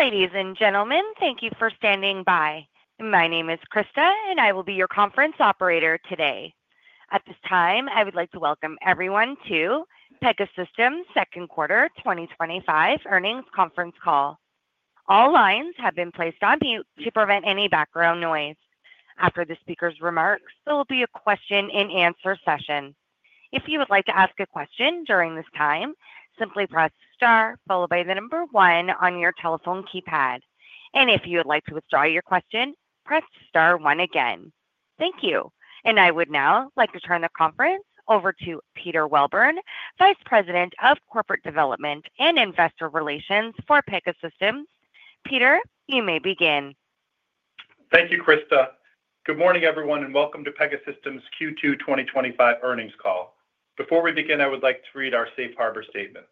Ladies and gentlemen, thank you for standing by. My name is Krista and I will be your conference operator today. At this time I would like to welcome everyone to Pegasystems Second Quarter 2025 Earnings Conference Call. All lines have been placed on mute to prevent any background noise. After the speaker's remarks, there will be a question and answer session. If you would like to ask a question during this time, simply press star followed by the number one on your telephone keypad. If you would like to withdraw your question, press star one again. Thank you and I would now like to turn the conference over to Peter Welburn, Vice President of Corporate Development and Investor Relations for Pegasystems. Peter, you may begin. Thank you, Krista. Good morning everyone and welcome to Pegasystems Q2 2025 Earnings Call. Before we begin, I would like to read our Safe Harbor Statement.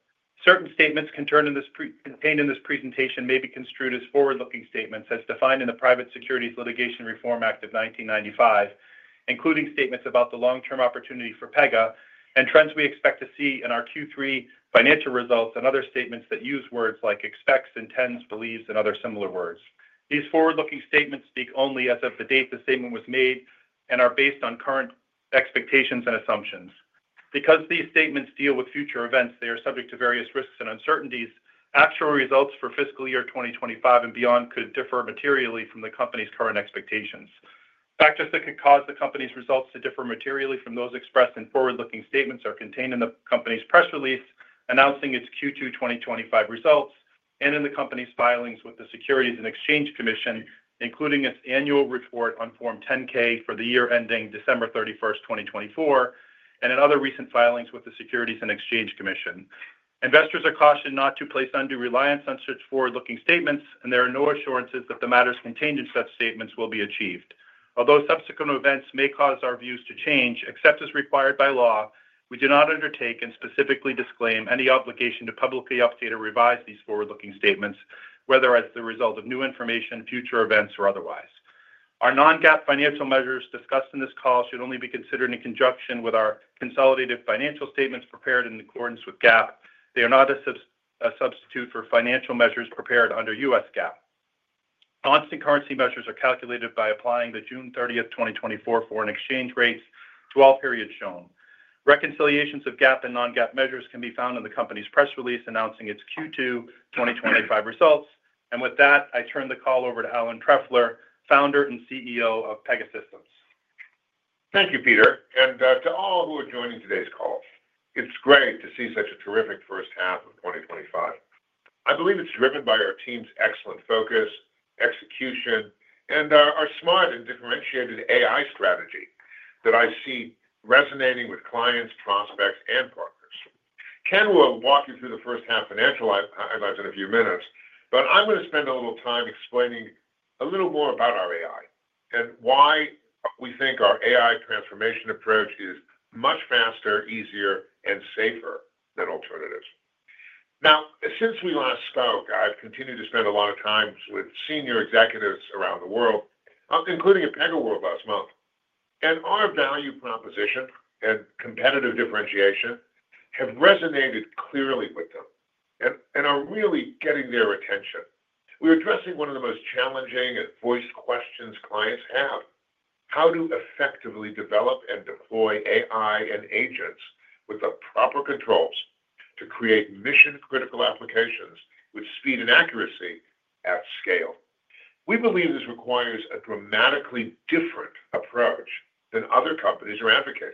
Certain statements contained in this presentation may be construed as forward-looking statements as defined in the Private Securities Litigation Reform Act of 1995, including statements about the long-term opportunity for Pega and trends we expect to see in our Q3 financial results and other statements that use words like expects, intends, believes, and other similar words. These forward-looking statements speak only as of the date the statement was made and are based on current expectations and assumptions. Because these statements deal with future events, they are subject to various risks and uncertainties. Actual results for fiscal year 2025 and beyond could differ materially from the company's current expectations. Factors that could cause the company's results to differ materially from those expressed in forward-looking statements are contained in the company's press release announcing its Q2 2025 results and in the company's filings with the Securities and Exchange Commission, including its annual report on Form 10-K for the year ending December 31st, 2024, and in other recent filings with the Securities and Exchange Commission. Investors are cautioned not to place undue reliance on such forward-looking statements and there are no assurances that the matters contained in such statements will be achieved. Although subsequent events may cause our views to change, except as required by law, we do not undertake and specifically disclaim any obligation to publicly update or revise these forward-looking statements, whether as the result of new information, future events, or otherwise. Our non-GAAP financial measures discussed in this call should only be considered in conjunction with our consolidated financial statements prepared in accordance with GAAP. They are not a substitute for financial measures prepared under U.S. GAAP. Constant currency measures are calculated by applying the June 30th, 2024, foreign exchange rates to all periods shown. Reconciliations of GAAP and non-GAAP measures can be found in the company's press release announcing its Q2 2025 results. With that, I turn the call over to Alan Trefler, Founder and CEO of Pegasystems. Thank you, Peter, and to all who are joining today's call. It's great to see such a terrific first half of 2025. I believe it's driven by our team's excellent focus, execution, and our smart and differentiated AI strategy that I see resonating with clients, prospects, and partners. Ken will walk you through the first half financials in a few minutes, but I'm going to spend a little time explaining a little more about our AI and why we think our AI transformation approach is much faster, easier, and safer than alternatives now. Since we last spoke, I've continued to spend a lot of time with senior executives around the world, including at PegaWorld last month, and our value proposition and competitive differentiation have resonated clearly with them and are really getting their attention. We're addressing one of the most challenging and voiced questions clients have: how to effectively develop and deploy AI and agents with the proper controls to create mission-critical applications with speed and accuracy at scale. We believe this requires a dramatically different approach than other companies are advocating.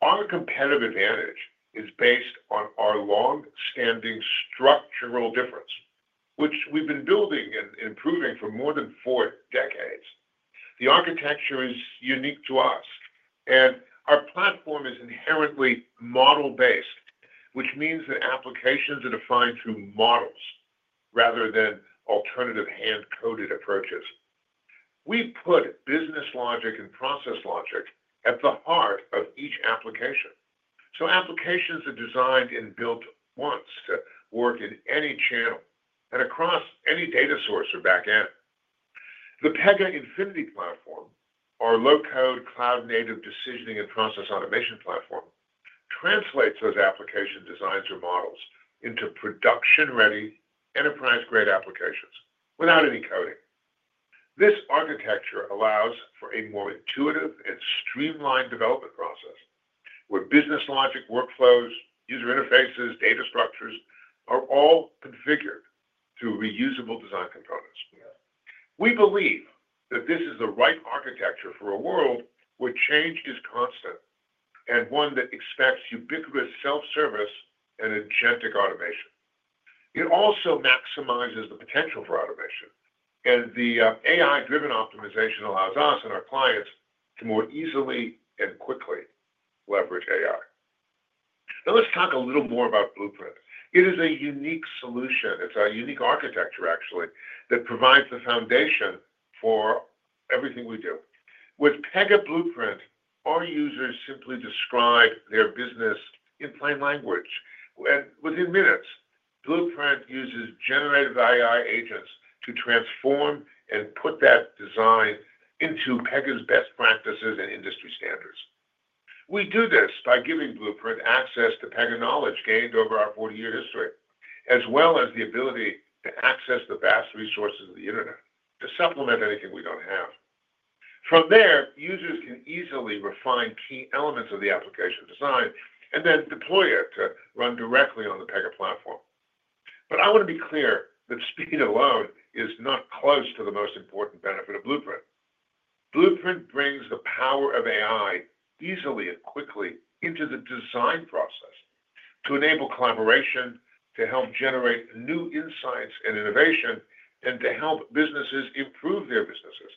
Our competitive advantage is based on our long-standing structural difference, which we've been building and improving for more than four decades. The architecture is unique to us, and our platform is inherently model-based, which means that applications are defined through models rather than alternative hand-coded approaches. We put business logic and process logic at the heart of each application, so applications are designed and built once to work in any channel and across any data source or back end. The Pega Infinity platform, our low-code, cloud-native decisioning and process automation platform, translates those application designs or models into production-ready, enterprise-grade applications without any coding. This architecture allows for a more intuitive and streamlined development process where business logic, workflows, user interfaces, and data structures are all configured through reusable design components. We believe that this is the right architecture for a world where change is constant and one that expects ubiquitous self-service and agentic automation. It also maximizes the potential for automation, and the AI-driven optimization allows us and our clients to more easily and quickly leverage AI. Now let's talk a little more about Blueprint. It is a unique solution. It's a unique architecture actually that provides the foundation for everything we do. With Pega Blueprint, our users simply describe their business in plain language within minutes. Blueprint uses generative AI agents to transform and put that design into Pega's best practices and industry standards. We do this by giving Blueprint access to Pega knowledge gained over our 40-year history, as well as the ability to access the vast resources of the Internet to supplement anything we don't have. From there, users can easily refine key elements of the application design and then deploy it to run directly on the Pega platform. I want to be clear that speed alone is not close to the most important benefit of Blueprint. Blueprint brings the power of AI easily and quickly into the design process to enable collaboration, to help generate new insights and innovation, and to help businesses improve their businesses.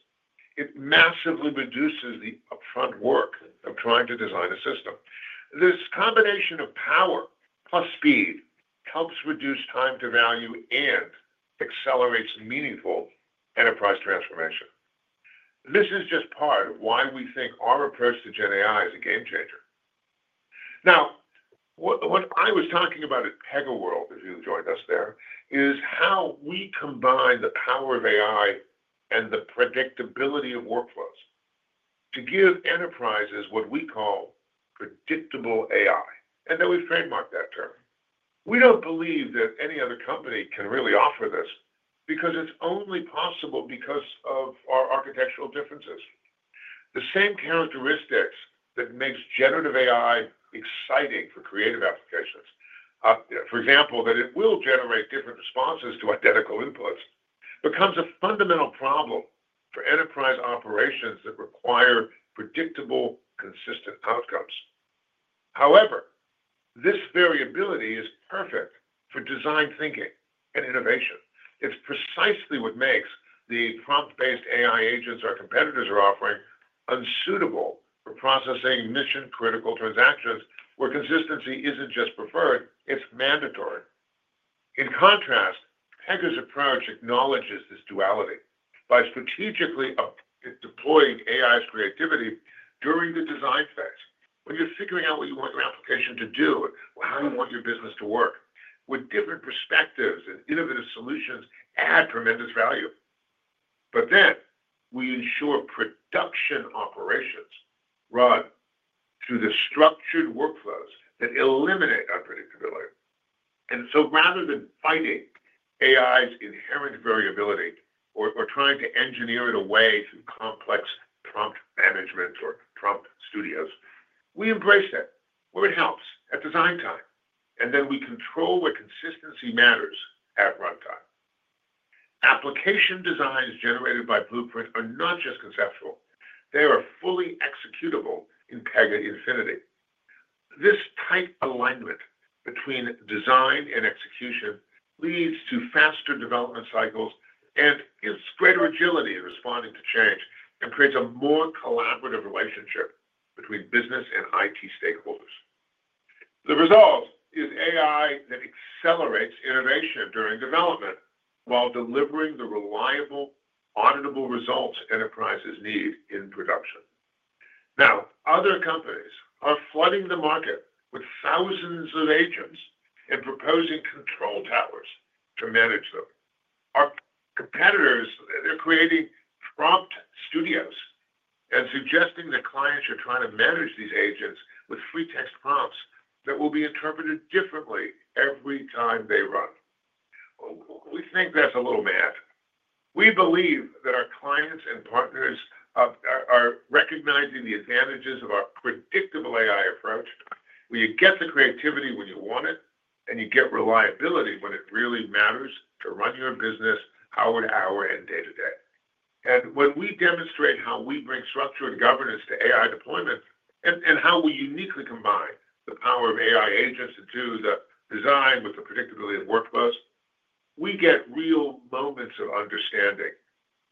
It massively reduces the upfront work of trying to design a system. This combination of power plus speed helps reduce time to value and accelerates meaningful enterprise transformation. This is just part of why we think our approach to generative AI is a game changer. Now, what I was talking about at PegaWorld, if you joined us there, is how we combine the power of AI and the predictability of workflows to give enterprises what we call Predictable AI. We've trademarked that term. We don't believe that any other company can really offer this because it's only possible because of our architectural differences. The same characteristics that make generative AI exciting for creative applications, for example that it will generate different responses to identical inputs, becomes a fundamental problem for enterprise operations that require predictable, consistent outcomes. However, this variability is perfect for design thinking and innovation. It's precisely what makes the prompt-based AI agents our competitors are offering unsuitable for processing mission-critical transactions where consistency isn't just preferred, it's mandatory. In contrast, Pega's approach acknowledges this duality by strategically deploying AI's creativity during the design phase. When you're figuring out what you want your application to do, how you want your business to work, different perspectives and innovative solutions add tremendous value. We ensure production operations run through the structured workflows that eliminate unpredictability. Rather than fighting AI's inherent variability or trying to engineer it away through complex prompt management or prompt studios, we embrace it where it helps at design time, and then we control where consistency matters at runtime. Application designs generated by Blueprint are not just conceptual, they are fully executable. In Pega Infinity, this tight alignment between design and execution leads to faster development cycles, gives greater agility in responding to change, and creates a more collaborative relationship between business and IT stakeholders. The result is AI that accelerates innovation during development while delivering the reliable, auditable results enterprises need in production. Other companies are flooding the market with thousands of agents and proposing control towers to manage them. Our competitors are creating prompt studios and suggesting that clients are trying to manage these agents with free text prompts that will be interpreted differently every time they run. We think that's a little mad. We believe that our clients and partners are recognizing the advantages of our Predictable AI approach, where you get the creativity when you want it and you get reliability when it really matters to run your business hour to hour and day to day. When we demonstrate how we bring structure and governance to AI deployment and how we uniquely combine the power of AI agents to do the design with the predictability of workforce, we get real moments of understanding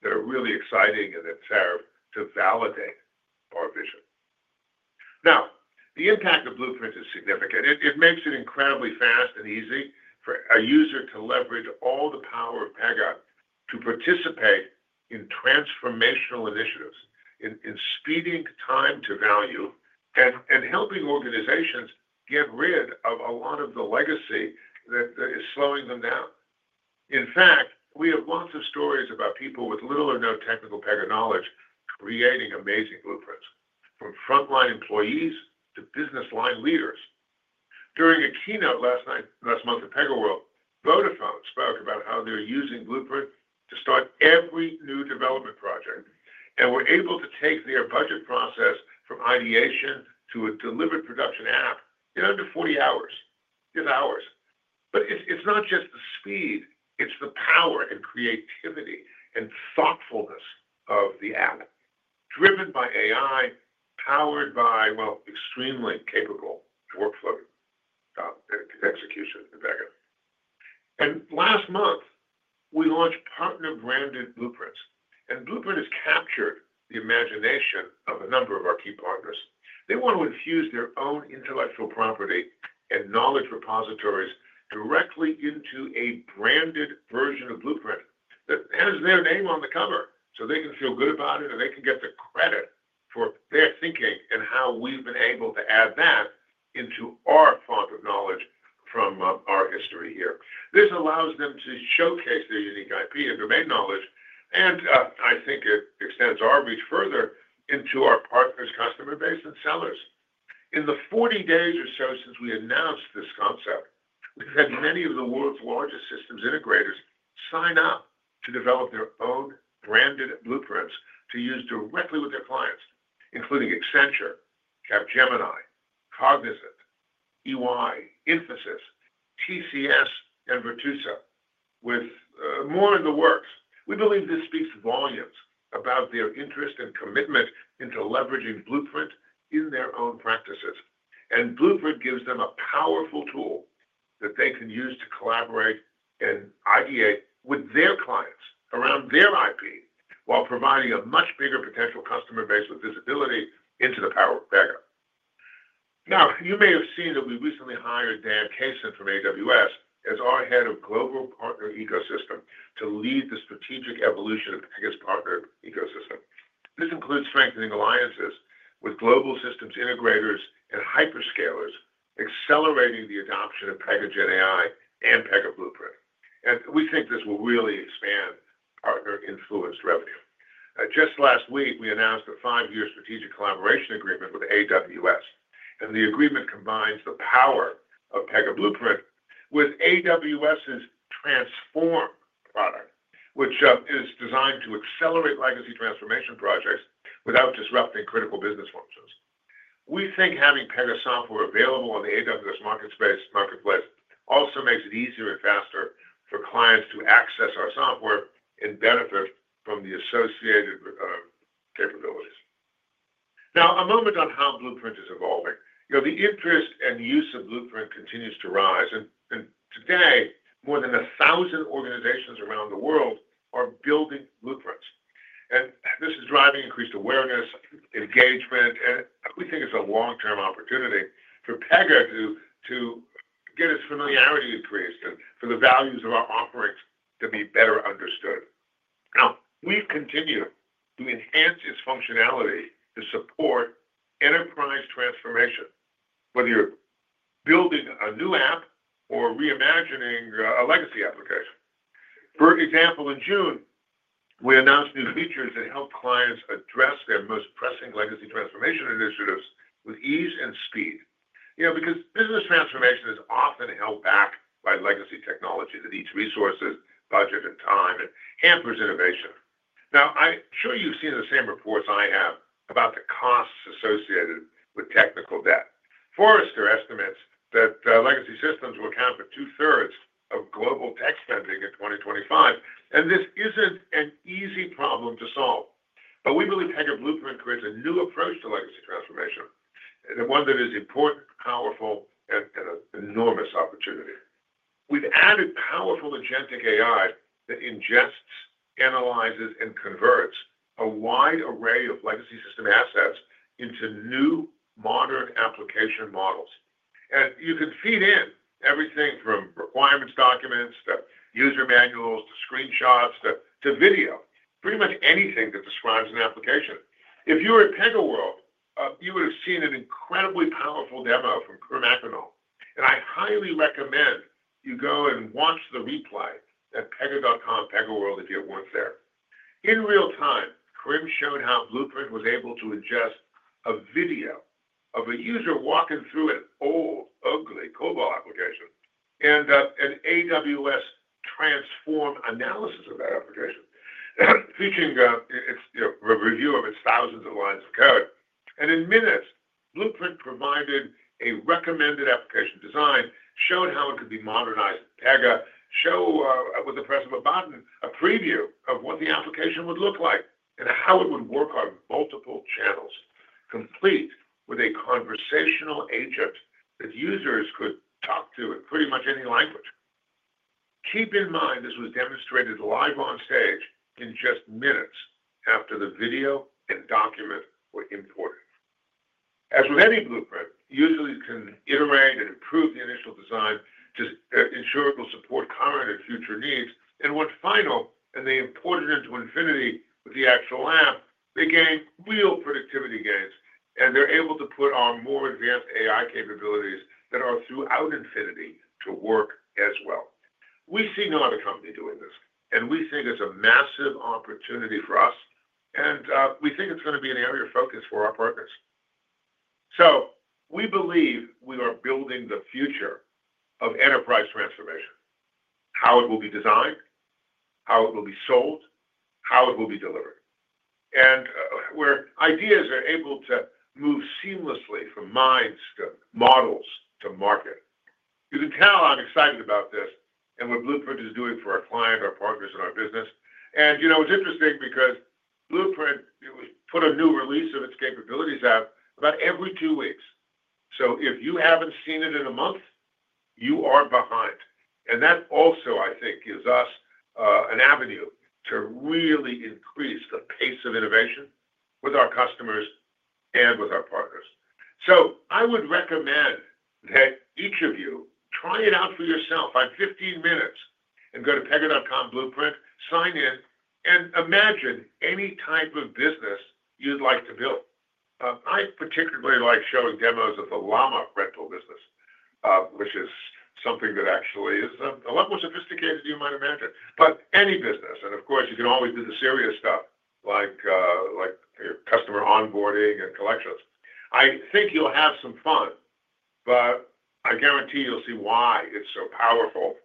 that are really exciting and serve to validate our vision. The impact of Blueprint is significant. It makes it incredibly fast and easy for a user to leverage all the power of Pega to participate in transformational initiatives in speeding time to value and helping organizations get rid of a lot of the legacy that is slowing them down. In fact, we have lots of stories about people with little or no technical Pega knowledge creating amazing blueprints, from frontline employees to business line leaders. During a keynote last month at PegaWorld, Vodafone spoke about how they're using Blueprint to start every new development project and were able to take their budget process from ideation to a delivered production app in under 40 hours. It's not just the speed, it's the power and creativity and thoughtfulness of the output driven by AI, powered by extremely capable workflow execution. Last month we launched partner branded blueprints. Blueprint has captured the imagination of a number of our key partners. They want to infuse their own intellectual property and knowledge repositories directly into a branded version of Blueprint that has their name on the cover so they can feel good about it and they can get the credit for their thinking and how we've been able to add that into our font of knowledge from our history here. This allows them to showcase their unique IP and domain knowledge. I think it extends our reach further into our partners' customer base and sellers. In the 40 days or so since we announced this concept, we've had many of the world's largest systems integrators sign up to develop their own branded blueprints to use directly with their clients, including Accenture, Capgemini, Cognizant, EY, Infosys, TCS, and Virtusa, with more in the works. We believe this speaks volumes about their interest and commitment to leveraging Blueprint in their own practices. Blueprint gives them a powerful tool that they can use to collaborate and ideate with their clients around their IP while providing a much bigger potential customer base with visibility into the power of Pega. You may have seen that we recently hired Dan Kasun from AWS as our Head of Global Partner Ecosystem to lead the strategic evolution of Pega's partner ecosystem. This includes strengthening alliances with global systems integrators and hyperscalers, accelerating the adoption of packaged AI and Pega Blueprint, and we think this will really expand partner-influenced revenue. Last week we announced a five-year strategic collaboration agreement with AWS. The agreement combines the power of Pega Blueprint with AWS's transformation product, which is designed to accelerate legacy transformation projects without disrupting critical business functions. We think having Pega software available on the AWS Marketplace also makes it easier and faster for clients to access our software and benefit from the associated capabilities. A moment on how Blueprint is evolving. The interest and use of Blueprint continues to rise. Today more than 1,000 organizations around the world are building blueprints, and this is driving increased awareness and engagement. We think it's a long-term opportunity for Pega to get its familiarity increased and for the values of our offerings to be better understood. Now we continue to enhance its functionality to support enterprise transformation, whether you're building a new app or reimagining a legacy application. For example, in June we announced new features that help clients address their most pressing legacy transformation initiatives with ease and speed. Business transformation is often held back by legacy technology that eats resources, budget, and time and hampers innovation. I'm sure you've seen the same reports I have about the costs associated with technical debt. Forrester estimates that legacy systems will account for 2/3 of global tech spending in 2025 and this isn't an easy problem to solve. We believe Pega Blueprint creates a new approach to legacy transformation, one that is important, powerful, and an enormous opportunity. We've added powerful agentic AI that ingests, analyzes, and converts a wide array of legacy system assets into new modern application models. You can feed in everything from requirements documents to user manuals to screenshots to video, pretty much anything that describes an application. If you were at PegaWorld, you would have seen an incredibly powerful demo from Kerim Akgonul, and I highly recommend you go and watch the replay at pega.com/pegaworld if you weren't there in real time. Kerim showed how Blueprint was able to adjust a video of a user walking through an old ugly COBOL application and an AWS transform analysis of that application, teaching its review of its thousands of lines of code. In minutes, Blueprint provided a recommended application design, showed how it could be modernized in Pega, and showed with the press of a button a preview of what the application would look like and how it would work on multiple channels, complete with a conversational agent that users could talk to in pretty much any language. Keep in mind this was demonstrated live on stage in just minutes after the video and document were imported. As with any Blueprint, you usually can iterate and improve the initial design to ensure it will support current and future needs, and when final, and they import it into Infinity with the actual app, they gain real productivity gains and they're able to put more advanced AI capabilities that are throughout Infinity to work as well. We see no other company doing this and we think it's a massive opportunity for us and we think it's going to be an area of focus for our partners. We believe we are building the future of enterprise transformation: how it will be designed, how it will be sold, how it will be delivered, and where ideas are able to move seamlessly from minds to models to market. You can tell I'm excited about this and what Blueprint is doing for our clients, our partners, and our business. It's interesting because Blueprint puts a new release of its capabilities out about every two weeks. If you haven't seen it in a month, you are behind. That also, I think, gives us an avenue to really increase the pace of innovation with our customers and with our partners. I would recommend that each of you try it out for yourself for 15 minutes and go to pega.com/blueprint, sign in, and imagine any type of business you'd like to build. I particularly like showing demos of the llama rental business, which is something that actually is a lot more sophisticated than you might imagine. Any business, and of course you can always do the serious stuff like customer onboarding and collections. I think you'll have some fun, but I guarantee you'll see why it's so powerful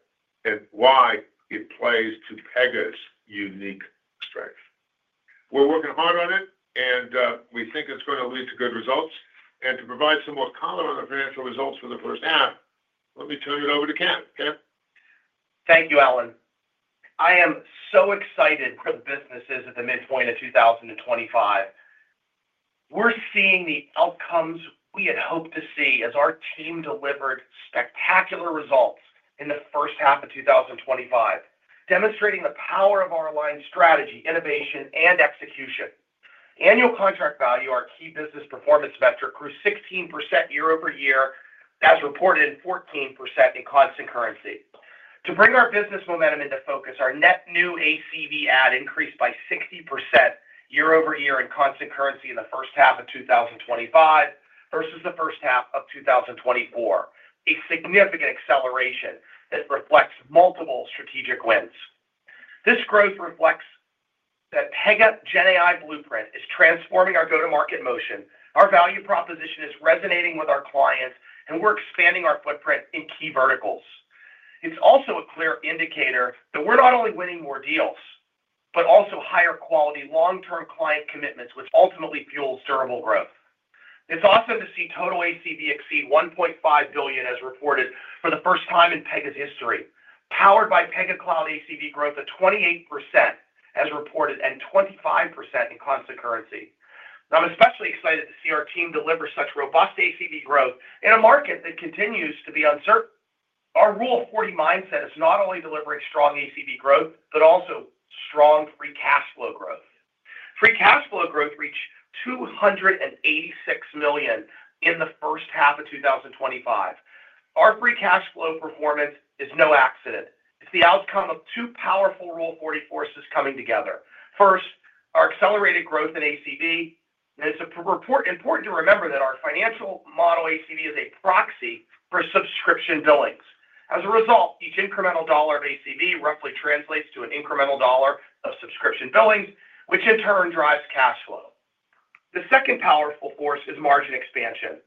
and why it plays to Pega's unique strength. We're working hard on it and we think it's going to lead to good results. To provide some more color on the financial results for the first half, let me turn it over to Ken. Okay. Thank you, Alan. I am so excited for the businesses at the midpoint of 2025. We're seeing the outcomes we had hoped to see as our team delivered spectacular results in the first half of 2025, demonstrating the power of our aligned strategy, innovation, and execution. Annual contract value, our key business performance metric, grew 16% year-over-year as reported, 14% in constant currency. To bring our business momentum into focus, our net new ACV add increased by 60% year-over-year in constant currency in the first half of 2025 versus the first half of 2024, a significant acceleration that reflects multiple strategic wins. This growth reflects that Pega GenAI Blueprint is transforming our go-to-market motion. Our value proposition is resonating with our clients and we're expanding our footprint in key verticals. It's also a clear indicator that we're not only winning more deals, but also higher quality long-term client commitments, which ultimately fuels durable growth. It's awesome to see total ACV exceed $1.5 billion as reported for the first time in Pega's history, powered by Pega Cloud ACV growth of 28% as reported and 25% in constant currency. I'm especially excited to see our team deliver such robust ACV growth in a market that continues to be uncertain. Our Rule of 40 mindset is not only delivering strong ACV growth, but also strong free cash flow growth. Free cash flow growth reached $286 million in the first half of 2025. Our free cash flow performance is no accident. It's the outcome of two powerful Rule of 40 forces coming together. First, our accelerated growth in ACV. It's important to remember that in our financial model, ACV is a proxy for subscription billings. As a result, each incremental dollar of ACV roughly translates to an incremental dollar of subscription billings, which in turn drives cash flow. The second powerful force is margin expansion.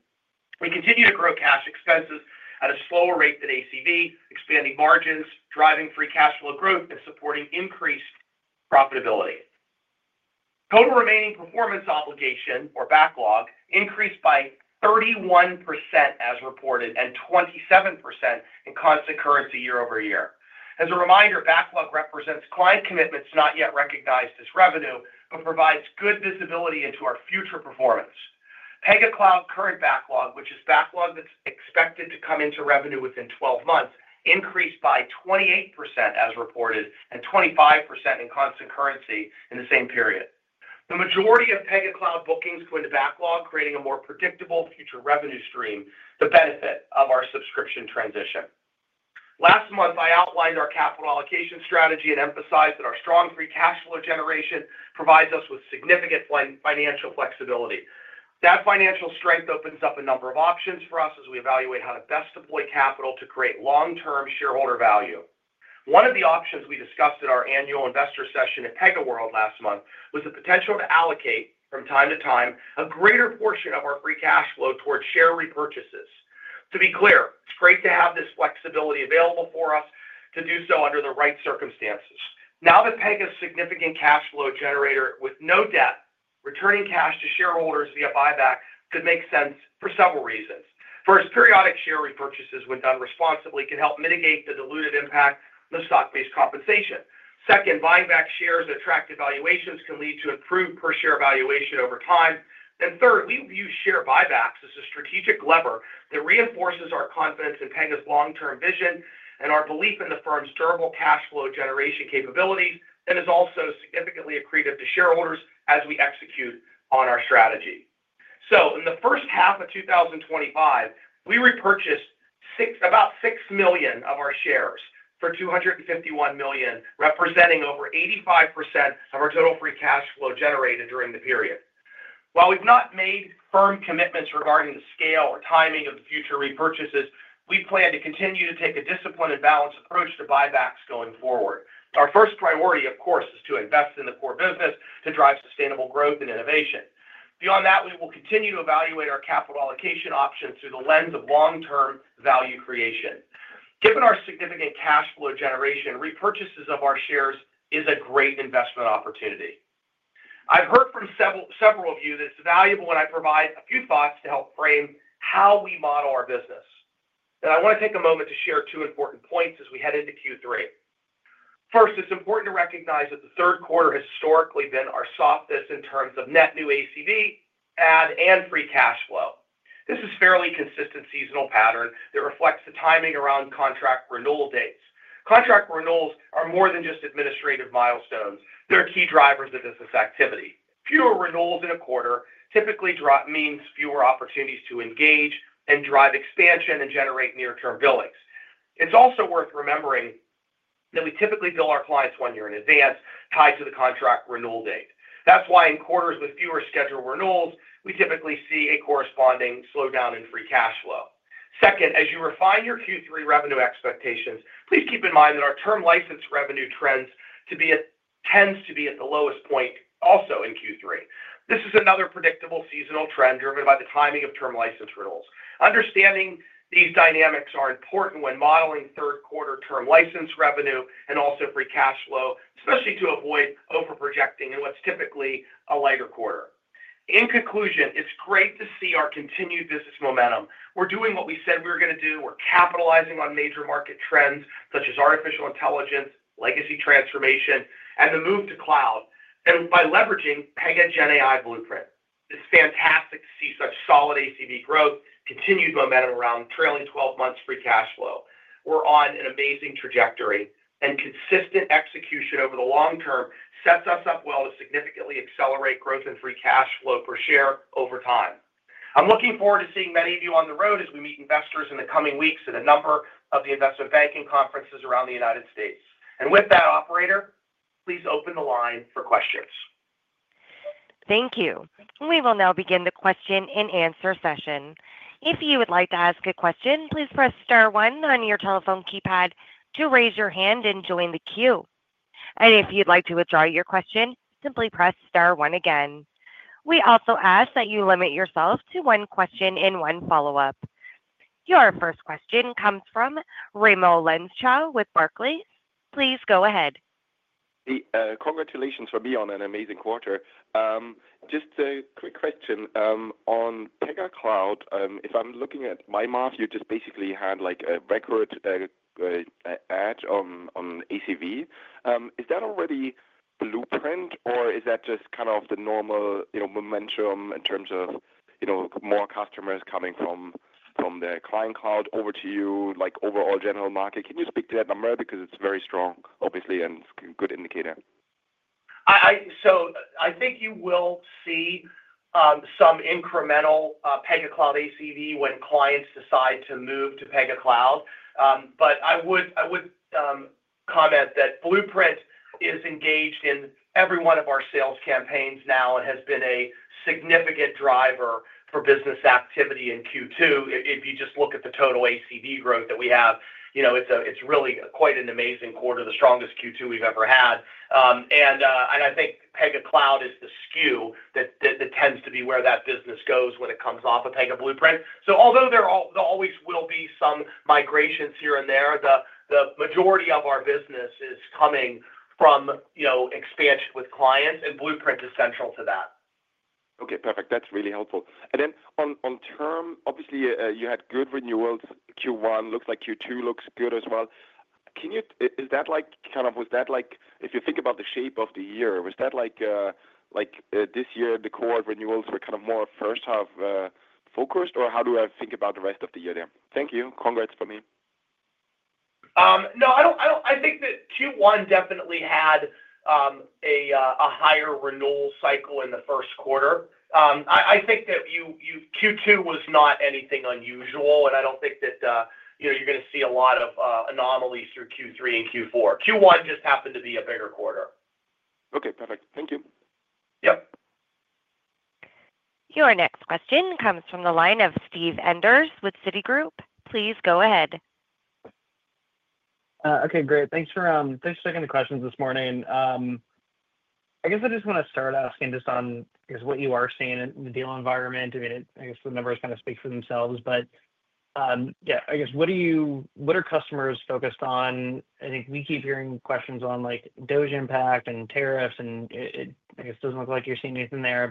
We continue to grow cash expenses at a slower rate than ACV, expanding margins, driving free cash flow growth, and supporting increased profitability. Total remaining performance obligation, or backlog, increased by 31% as reported and 27% in constant currency year-over-year. As a reminder, backlog represents client commitments not yet recognized as revenue, but provides good visibility into our future performance. Pega Cloud current backlog, which is backlog that's expected to come into revenue within 12 months, increased by 28% as reported and 25% in constant currency in the same period. The majority of Pega Cloud bookings go into backlog, creating a more predictable future revenue stream. The benefit of our subscription transition. Last month I outlined our capital allocation strategy and emphasized that our strong free cash flow generation provides us with significant financial flexibility. That financial strength opens up a number of options for us as we evaluate how to best deploy capital to create long-term shareholder value. One of the options we discussed at our annual investor session at PegaWorld last month was the potential to allocate from time to time a greater portion of our free cash flow towards share repurchases. To be clear, it's great to have this flexibility available for us to do so under the right circumstances now that Pega's significant cash flow generator with no debt returning cash to shareholders via buyback could make sense for several reasons. First, periodic share repurchases, when done responsibly, can help mitigate the diluted impact of the stock-based compensation. Second, buying back shares at attractive valuations can lead to improved per share valuation over time. Third, we view share buybacks as a strategic lever that reinforces our confidence in Pega's long-term vision and our belief in the firm's durable cash flow generation capabilities and is also significantly accretive to shareholders as we execute on our strategy. In the first half of 2025 we repurchased about 6 million of our shares for $251 million, representing over 85% of our total free cash flow generated during the period. While we've not made firm commitments regarding the scale or timing of the future repurchases, we plan to continue to take a disciplined and balanced approach to buybacks going forward. Our first priority, of course, is to invest in the core business to drive sustainable growth and innovation. Beyond that, we will continue to evaluate our capital allocation options through the lens of long-term value creation. Given our significant cash flow generation, repurchases of our shares is a great investment opportunity. I've heard from several of you that it's valuable when I provide a few thoughts to help frame how we model our business. I want to take a moment to share two important points as we head into Q3. First, it's important to recognize that the third quarter has historically been our softest in terms of net new ACV add and free cash flow. This is a fairly consistent seasonal pattern that reflects the timing around contract renewal dates. Contract renewals are more than just administrative milestones, they're key drivers of business activity. Fewer renewals in a quarter typically means fewer opportunities to engage and drive expansion and generate near-term billings. It's also worth remembering that we typically bill our clients one year in advance tied to the contract renewal date. That's why in quarters with fewer scheduled renewals, we typically see a corresponding slowdown in free cash flow. Second, as you refine your Q3 revenue expectations, please keep in mind that our term license revenue tends to be at the lowest point. Also in Q3, this is another predictable seasonal trend driven by the timing of term license renewals. Understanding these dynamics is important when modeling third quarter term license revenue and also free cash flow, especially to avoid over-projecting in what's typically a lighter quarter. In conclusion, it's great to see our continued business momentum. We're doing what we said we were going to do. We're capitalizing on major market trends such as Artificial Intelligence, legacy modernization, and the move to cloud, and by leveraging Pega GenAI Blueprint. It's fantastic to see such solid ACV growth and continued momentum around trailing 12 months free cash flow. We're on an amazing trajectory, and consistent execution over the long-term sets us up well to significantly accelerate growth and free cash flow per share over time. I'm looking forward to seeing many of you on the road as we meet investors in the coming weeks at a number of the investment banking conferences around the United States. With that, operator, please open the line for questions. Thank you. We will now begin the question and answer session. If you would like to ask a question, please press star one on your telephone keypad to raise your hand and join the queue. If you'd like to withdraw your question, simply press star one again. We also ask that you limit yourself to one question and one follow up. Your first question comes from Raimo Lenschow with Barclays. Please go ahead. Congratulations for me on an amazing quarter. Just a quick question on Pega Cloud. If I'm looking at my math, you just basically had like a record on ACV. Is that already Blueprint or is that just kind of the normal momentum in terms of more customers coming from the client cloud over to you like overall general market? Can you speak to that number? Because it's very strong obviously and good indicator. I think you will see some incremental Pega Cloud ACV when clients decide to move to Pega Cloud. I would comment that Blueprint is engaged in every one of our sales campaigns now and has been a significant driver for business activity in Q2. If you just look at the total ACV growth that we have, it's really quite an amazing quarter. The strongest Q2 we've ever had. I think Pega Cloud is the skew that tends to be where that business goes when it comes off a Pega Blueprint. So. Although there always will be some migrations here and there, the majority of our business is coming from expansion with clients, and Blueprint is central to that. Okay, perfect. That's really helpful. On term, obviously you had good renewals. Q1 looks like Q2 looks good as well. Can you. Is that like kind of? Was that like, if you think about the shape of the year, was that like this year the core renewals were kind of more first half focused, or how do I think about the rest of the year there? Thank you. Congrats from me. No, I think that Q1 definitely had a higher renewal cycle in the first quarter. I think that Q2 was not anything unusual, and I don't think that you're going to see a lot of anomalies through Q3 and Q4. Q1 just happened to be a bigger quarter. Okay, perfect. Thank you. Yep. Your next question comes from the line of Steve Enders with Citigroup. Please go ahead. Okay, great. Thanks for taking the questions this morning. I just want to start asking on what you are seeing in the deal environment. I mean, the numbers kind of speak for themselves, but yeah. What do you. What are customers focused on? I think we keep hearing questions on like DOGE impact and tariffs, and it doesn't look like you're seeing anything there.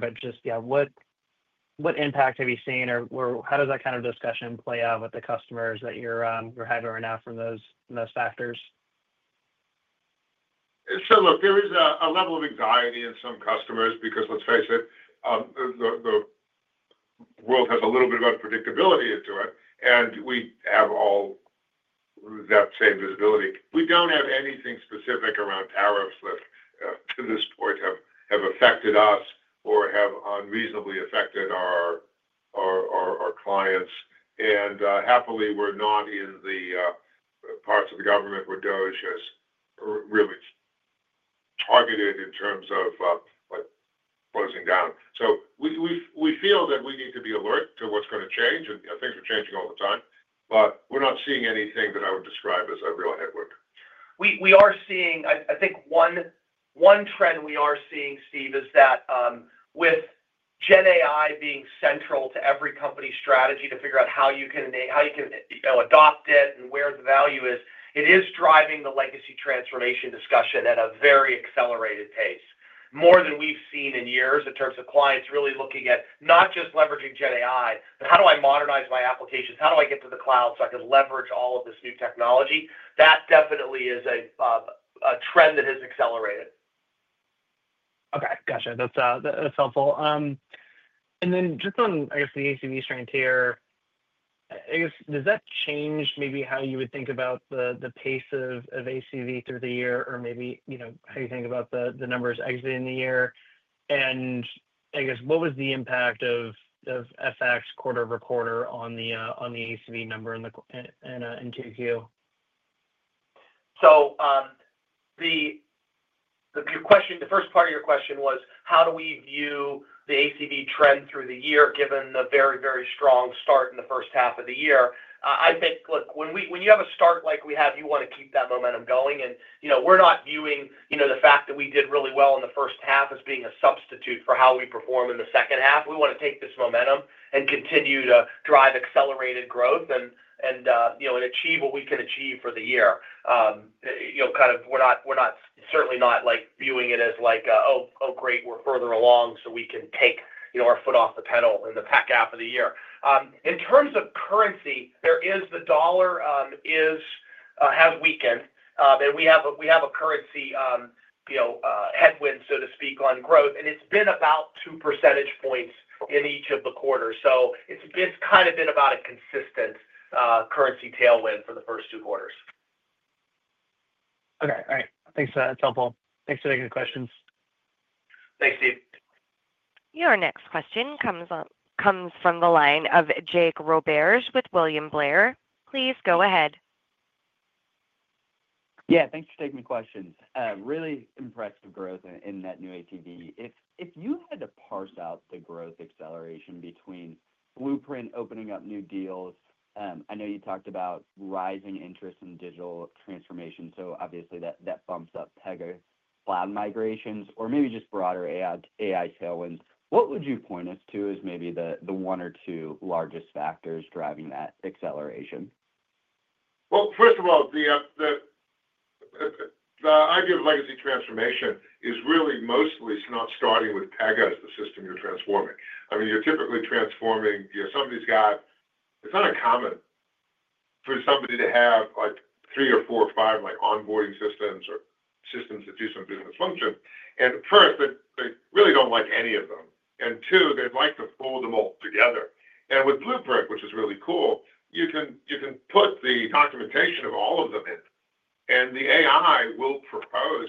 What impact have you seen, or how does that kind of discussion play out with the customers that you're having right now from those factors? Look, there is a level of anxiety in some customers because let's face it, the world has a little bit of unpredictability to it and we have all that same visibility. We don't have anything specific around tariffs to this point that have affected us or have unreasonably affected our clients. Happily, we're not in the parts of the government where DOGE has really targeted in terms of closing down. We feel that we need to be alert to what's going to change. Things are changing all the time, but we're not seeing anything that I would describe as a real headwind. We are seeing, I think one trend we are seeing, Steve, is that with GenAI being central to every company's strategy to figure out how you can adopt it and where the value is, it is driving the legacy modernization discussion at a very accelerated pace, more than we've seen in years in terms of clients really looking at not just leveraging GenAI, but how do I modernize my applications, how do I get to the cloud so I can leverage all of this new technology? That definitely is a trend that has accelerated. Okay, gotcha. That's helpful. Just on the ACV strength here, does that change maybe how you would think about the pace of ACV through the year or maybe, you know, how you think about the numbers exiting the year? I guess, what was the impact of FX quarter-over-quarter on the ACV number? The question, the first part of your question was how do we view the ACV trend through the year given the very, very strong start in the first half of the year? I think, look, when you have a start like we have, you want to keep that momentum going. We're not viewing the fact that we did really well in the first half as being a substitute for how we perform in the second half. We want to take this momentum and continue to drive accelerated growth and achieve what we can achieve for the year. We're not, certainly not, viewing it as, like, oh, great, we're further along, so we can take our foot off the pedal in the back half of the year. In terms of currency, the dollar has weakened and we have a currency headwind, so to speak, on growth. It's been about 2 percentage points in each of the quarters. It's kind of been about a consistent currency tailwind for the first two quarters. Okay. All right, thanks for, that's helpful. Thanks for taking the questions. Thanks, Steve. Your next question comes from the line of Jake Roberge with William Blair. Please go ahead. Yeah, thanks for taking the questions. Really impressive growth in that new ACV. If you had to parse out the growth acceleration between Blueprint opening up new deals, I know you talked about rising interest in digital transformation, so obviously that bumps up Pega Cloud migrations or maybe just broader AI tailwinds. What would you point us to as maybe the one or two largest factors driving that acceleration? The idea of legacy transformation is really mostly not starting with Pega as the system you're transforming. You're typically transforming. You know, somebody's got, it's not uncommon for somebody to have like three or four or five onboarding systems or systems that do some business functions. First, they really don't like any of them, and two, they'd like to fold them all together. With Blueprint, which is really cool, you can put the documentation of all of them in and the AI will propose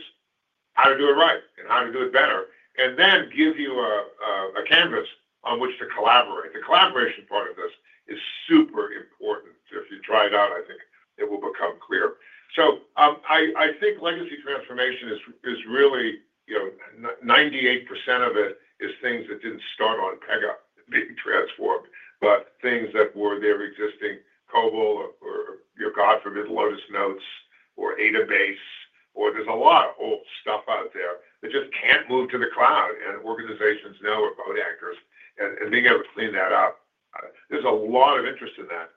how to do it right and how to do it better, and then give you a canvas on which to collaborate. The collaboration part of this is super important. If you try it out, I think it will become clear. I think legacy transformation is really, you know, 98% of it is things that didn't start on Pega being transformed, but things that were there existing COBOL or your, God forbid, Lotus Notes or ADABAS or there's a lot of old stuff out there that just can't move to the cloud. Organizations now are both actors and being able to clean that up, there's a lot of interest in that.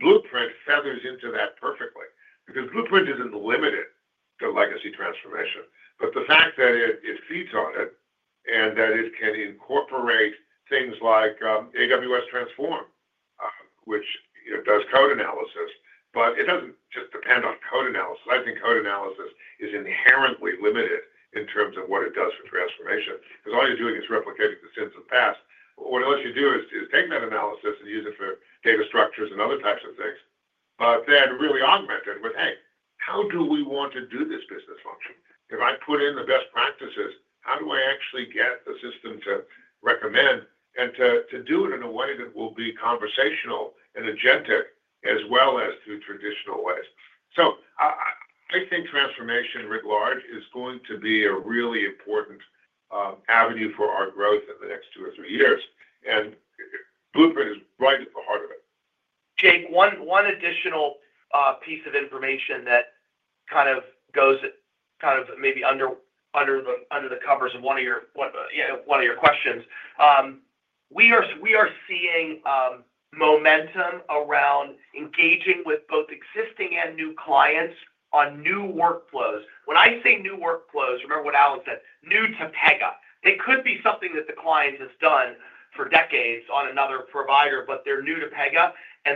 Blueprint feathers into that perfectly. Blueprint isn't limited to legacy transformation, but the fact that it feeds on it and that it can incorporate things like AWS Transform, which does code analysis, but it doesn't just depend on code analysis. I think code analysis is inherently limited in terms of what it does for transformation, because all you're doing is replicating the sense of past. What it lets you do is take that analysis and use it for data structures and other types of things, but then really augment it with, hey, how do we want to do this business function? If I put in the best practices, how do I actually get the system to recommend and to do it in a way that will be conversational and agentic, as well as through traditional ways? I think transformation writ large is going to be a really important avenue for our growth in the next two or three years, and Blueprint is right at the heart of it. Jake, one additional piece of information that kind of goes maybe under the covers of one of your questions, we are seeing momentum around engaging with both existing and new clients on new workflows. When I say new workflows, remember what Alan said, new to Pega, they could be something that the client has done for decades on another provider, but they are new to Pega.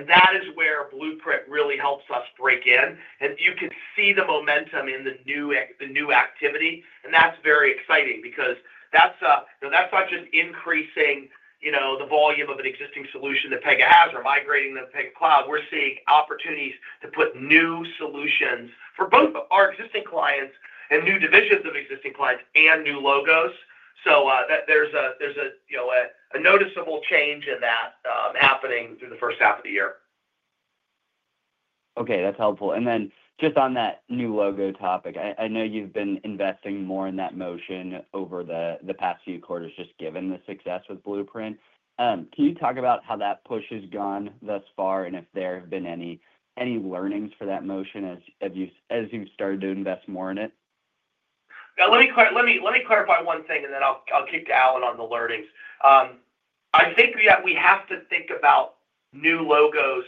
That is where Blueprint really helps us break in. You can see the momentum in the new activity. That's very exciting because that's not just increasing the volume of an existing solution that Pega has or migrating to Pega Cloud. We're seeing opportunities to put new solutions for both our existing clients and new divisions of existing clients and new logos. There's a noticeable change in that happening through the first half of the year. Okay, that's helpful. Just on that new logo topic, I know you've been investing more in that motion over the past few quarters just given the success with Blueprint. Can you talk about how that push has gone thus far and if there have been any learnings for that motion as you've started to invest more in it? Let me clarify one thing and then I'll kick to Alan on the learnings. I think we have to think about new logos,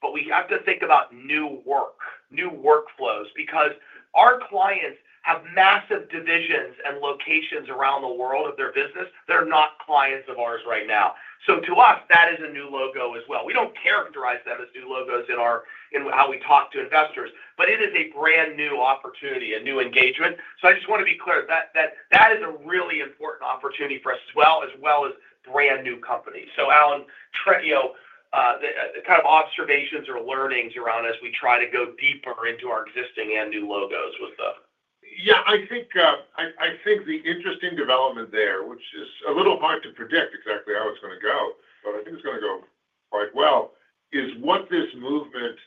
but we have to think about new work, new workflows because our clients have massive divisions and locations around the world of their business. They're not clients of ours right now. To us that is a new logo as well. We don't characterize them as new logos in how we talk to investors, but it is a brand new opportunity, a new engagement. I just want to be clear that that is a really important opportunity for us as well, as well as brand new companies. Alan, kind of observations or learnings around as we try to go deeper into our existing and new logos with the. Yeah, I think the interesting development there, which is a little hard to predict exactly how it's going to go, but I think it's going to go quite well, is what this movement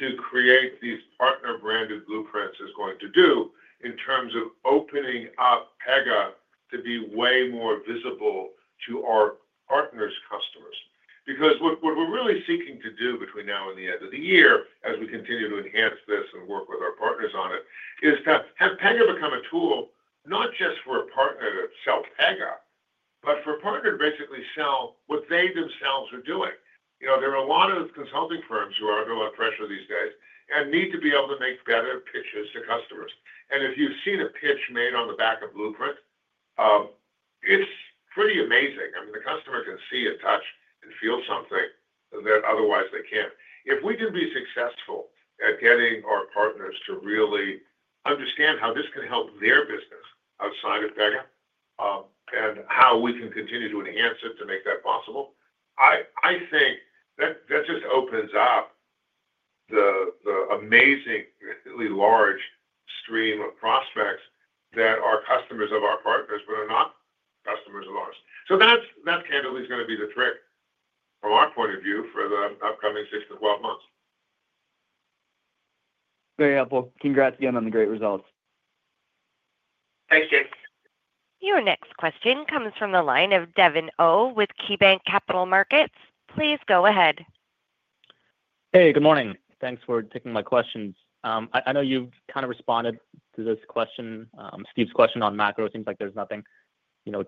to create these partner branded Blueprints is going to do. In terms of opening up Pega to be way more visible to our partners' customers, what we're really seeking to do between now and the end of the year as we continue to enhance this and work with our partners on it, is to have Pega become a tool not just for a partner to sell Pega, but for a partner to basically sell what they themselves are doing. There are a lot of consulting firms who are under a lot of pressure these days and need to be able to make better pitches to customers. If you've seen a pitch made on the back of Blueprint, it's pretty amazing. The customer can see and touch and feel something that otherwise they can't. If we can be successful at getting our partners to really understand how this can help their business outside of Pega and how we can continue to enhance it to make that possible, I think that just opens up the amazingly large stream of prospects that are customers of our partners but are not customers of ours. That, candidly, is going to be the trick from our point of view for the upcoming 6-12 months. Very helpful. Congrats again on the great results. Thanks, Jake. Your next question comes from the line of Devin Au with KeyBanc Capital Markets, please go ahead. Hey, good morning. Thanks for taking my questions. I know you've kind of responded to this question. Steve's question on macro seems like there's nothing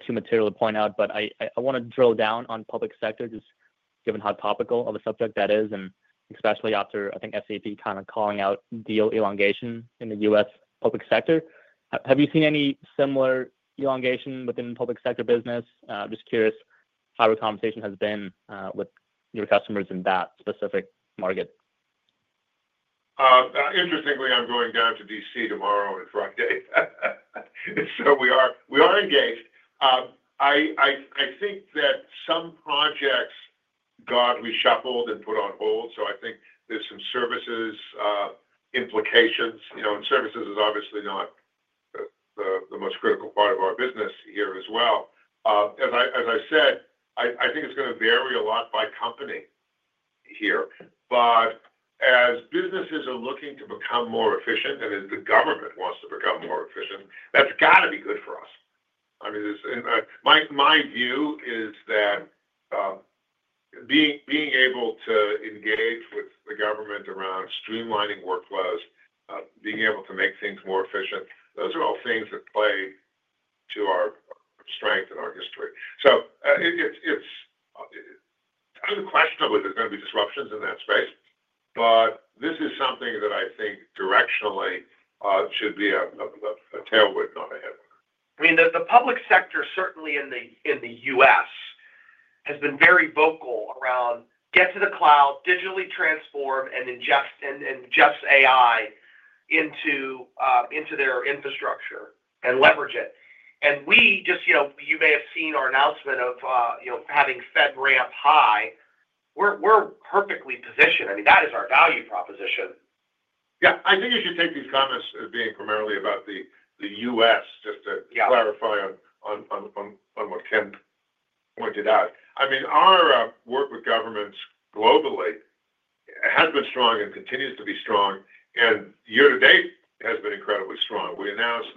too material to point out, but I want to drill down on public sector. Just given how topical of a subject that is and especially after I think SAP kind of calling out deal elongation in the U.S. public sector. Have you seen any similar elongation within public sector business? Just curious how your conversation has been with your customers in that specific market. Interestingly, I'm going down to D.C. tomorrow and Friday. We are engaged. I think that some projects got reshuffled and put on hold. I think there's some services implications. You know, services is obviously not the most critical part of our business here as well. As I said, I think it's going to vary a lot by company here. As businesses are looking to become more efficient and as the government wants to become more efficient, that's got to be good for us. I mean, my view is that. Being. Able to engage with the government around streamlining workflows, being able to make things more efficient, those are all things that play to our strength and our history. There is unquestionably going to be disruptions in that space. This is something that I think directionally should be a tailwind. I mean the public sector certainly in the U.S. has been very vocal around get to the cloud, digitally transform and ingest AI into their infrastructure and leverage it. You may have seen our announcement of having FedRAMP High, we're perfectly positioned. I mean that is our value proposition. Yeah, I think you should take these comments being primarily about the U.S. Just to clarify on what Ken pointed out, our work with governments globally has been strong and continues to be strong, and year to date has been incredibly strong. We announced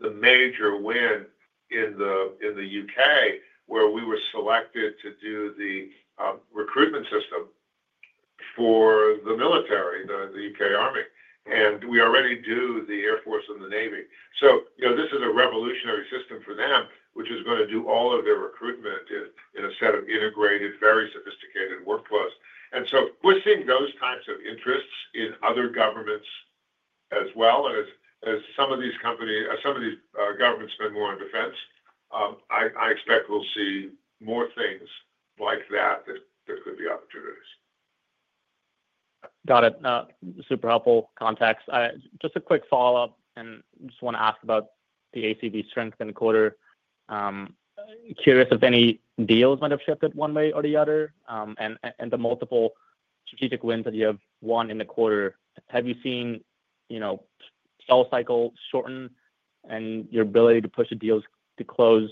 the major win in the U.K. where we were selected to do the recruitment system for the military, the U.K. Army, and we already do the Air Force and the Navy. This is a revolutionary system for them which is going to do all of their recruitment in a set of integrated, very sophisticated workflows. We're seeing those types of interests in other governments as well as some of these companies. Some of these governments spend more on defense. I expect we'll see more things like that that could be opportunities. Got it. Super helpful context. Just a quick follow up and just want to ask about the ACV strength in the quarter. Curious if any deals might have shifted one way or the other. The multiple strategic wins that you have won in the quarter, have you seen sell cycle shorten and your ability to push the deals to close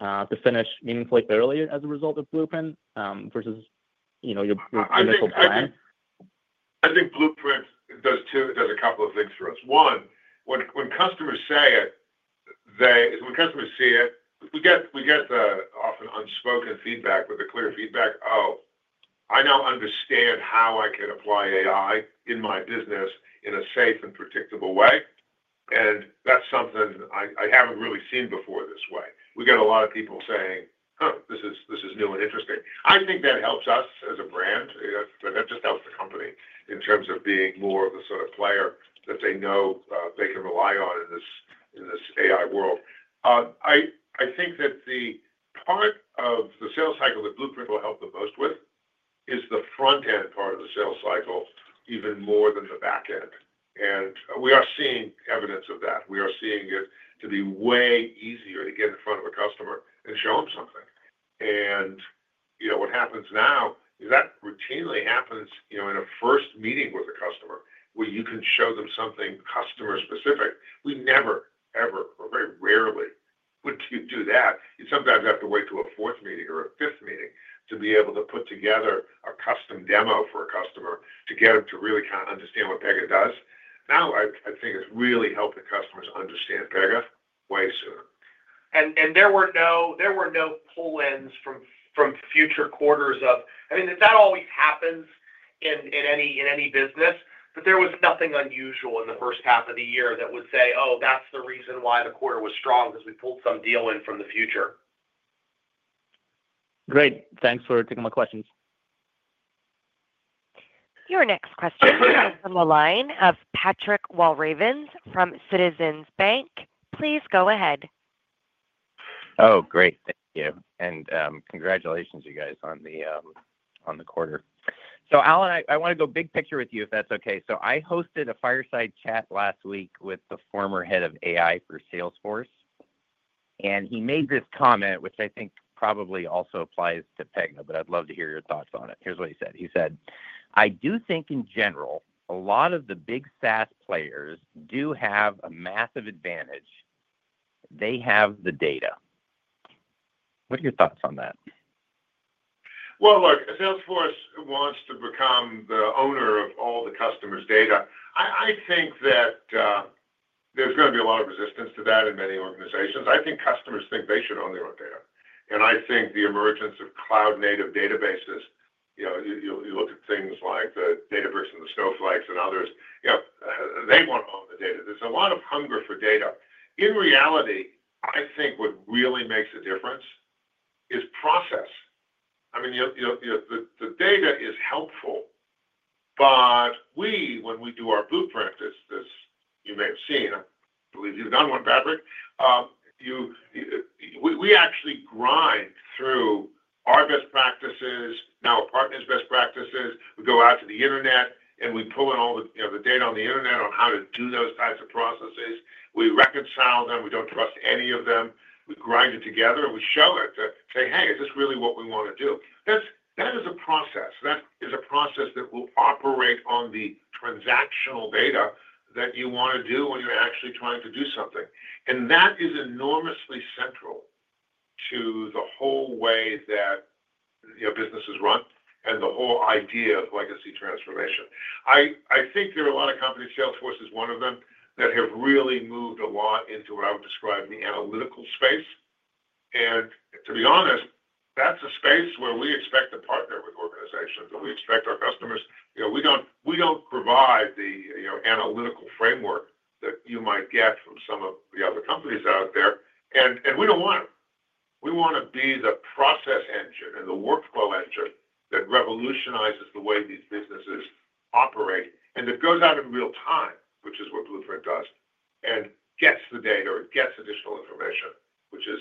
to finish meaningfully early as a result of Blueprint versus your initial plan. I think Blueprint does a couple of things for us. One, when customers see it, we get the often unspoken feedback with the clear feedback. Oh, I now understand how I can apply AI in my business in a safe and predictable way. That's something I haven't really seen before. This way we get a lot of people saying, huh, this is new and interesting. I think that helps us as a brand. That just helps the company in terms of being more of the sort of player that they know they can rely on in this AI world. I think that the part of the sales cycle the Blueprint will help the most with is the front end part of the sales cycle even more than the back end. We are seeing evidence of that. We are seeing it to be way easier to get in front of a customer and show them something. You know what happens now is that routinely happens in a first meeting with a customer where you can show them something customer specific. We never ever or very rarely would you do that. You sometimes have to wait to a fourth meeting or a fifth meeting to be able to put together a custom demo for a customer to get them to really kind of understand what Pega does now. I think it's really helping customers understand Pega way sooner. There were no pull ins from future quarters. I mean, that always happens in any business, but there was nothing unusual in the first half of the year that would say, oh, that's the reason why the quarter was strong, because we pulled some deal in from the future. Great, thanks for taking my questions. Your next question comes from the line of Patrick Walravens from Citizens Bank. Please go ahead. Oh, great. Thank you. Congratulations you guys on the quarter. Alan, I want to go big picture with you if that's okay. I hosted a fireside chat last week with the former head of AI for Salesforce and he made this comment which I think probably also applies to Pega, but I'd love to hear your thoughts on it. Here's what he said. He said, I do think in general a lot of the big SaaS players do have a massive advantage. They have the data. What are your thoughts on that? Look, Salesforce wants to become the owner of all the customers' data. I think that there's going to be a lot of resistance to that in many organizations. I think customers think they should own their own data. I think the emergence of cloud-native databases, you look at things like the Databricks and the Snowflake and others, they want all the data. There's a lot of hunger for data. In reality, I think what really makes a difference is process. The data is helpful. When we do our boot practice, you may have seen, I believe you've done one, Patrick. We actually grind through our best practices, now a partner's best practices. We go out to the Internet and we pull in all the data on the Internet on how to do those types of processes. We reconcile them, we don't trust any of them. We grind it together and we show it to say, hey, is this really what we want to do? That is a process that will operate on the transactional data that you want to do when you're actually trying to do something. That is enormously central to the whole way that businesses run and the whole idea of legacy transformation. I think there are a lot of companies, Salesforce is one of them, that have really moved a lot into what I would describe as the analytical space. To be honest, that's a space where we expect to partner with organizations and we expect our customers. We don't provide the analytical framework that you might get from some of the other companies out there. We don't want them. We want to be the process engine and the workflow engine that revolutionizes the way these businesses operate and that goes out in real time, which is what Blueprint does, and gets the data, it gets additional information, which is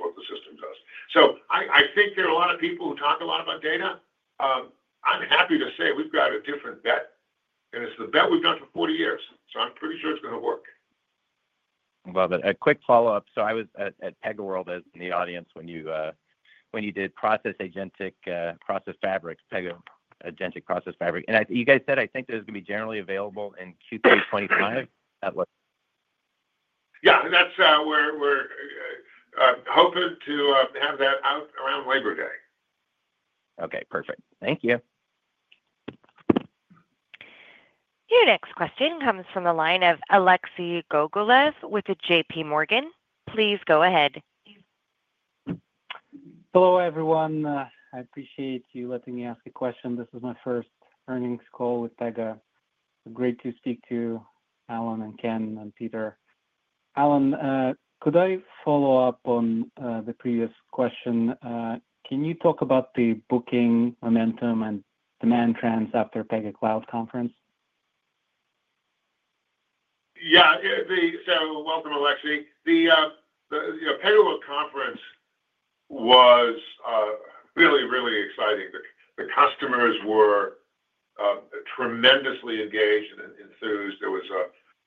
what the system does. I think there are a lot of people who talk a lot about data. I'm happy to say we've got a different bet and it's the bet we've done for 40 years. I'm pretty sure it's going to work. Well, a quick follow up. I was at PegaWorld in the audience when you did Pega Agentic Process Fabric, and you guys said, I think, that's going to be generally available in Q3 2025. Yeah, that's where we're hoping to have that out around Labor Day. Okay, perfect. Thank you. Your next question comes from the line of Alexei Gogolev with JPMorgan. Please go ahead. Hello everyone. I appreciate you letting me ask a question. This is my first earnings call with Pega. Great to speak to Alan, Ken, and Peter. Alan, could I follow up on the previous call question? Can you talk about the booking momentum and demand trends after Pega Cloud conference? Yeah. Welcome, Alexei. The PegaWorld conference was really, really exciting. The customers were tremendously engaged and enthused. There was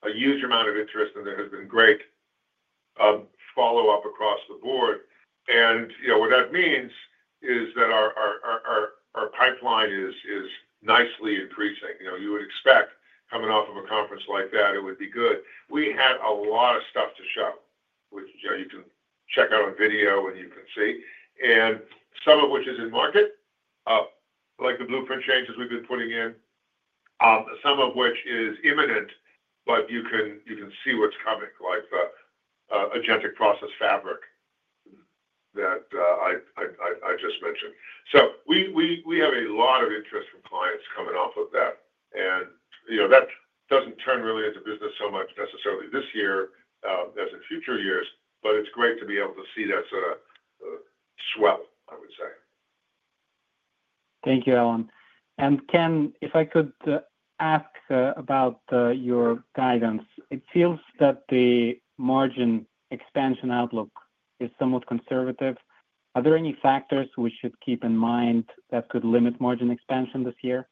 a huge amount of interest and there has been great follow up across the board. You know what that means is that our pipeline is nicely increasing. You would expect coming off of a conference like that, it would be good. We had a lot of stuff to show, which you can check out a video and you can see, and some of which is in market like the Blueprint changes we've been putting in, some of which is imminent. You can see what's coming like the Agentic Process Fabric that I just mentioned. We have a lot of interest from clients coming off of that and that doesn't turn really into business so much necessarily this year as in future years. It's great to be able to see that sort of swell, I would say. Thank you Alan. And Ken, if I could ask about your guidance, it feels that the margin expansion outlook is somewhat conservative. Are there any factors we should keep in mind that could limit margin expansion this year?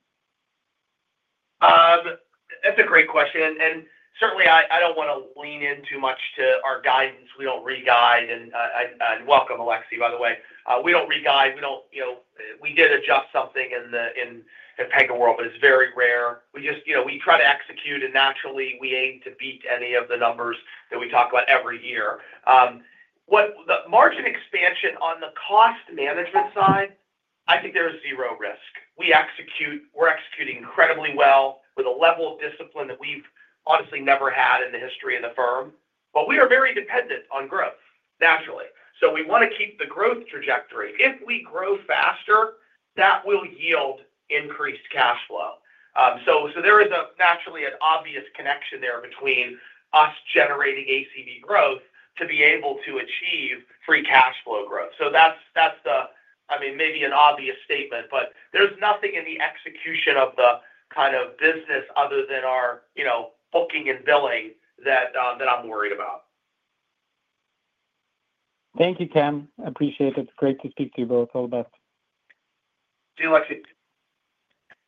That's a great question and certainly I don't want to lean in too much to our guidance. We don't re-guide and welcome, Alexei, by the way. We don't re-guide. We don't, you know, we did adjust something in the in PegaWorld, but it's very rare. We just, you know, we try to execute and naturally we aim to beat any of the numbers that we talk about every year. With the margin expansion, on the cost management side, I think there is zero risk. We execute. We're executing incredibly well with a level of discipline that we've honestly never had in the history of the firm. We are very dependent on growth naturally. We want to keep the growth trajectory. If we grow faster, that will yield increased cash flow. There is naturally an obvious connection there between us generating ACV growth to be able to achieve free cash flow growth. Maybe that's an obvious statement, but there's nothing in the execution of the kind of business other than our booking and billing that I'm worried about. Thank you, Ken. Appreciate it. Great to speak to you both. All the best. See you, Alexei.